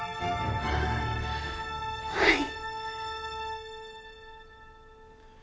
はい。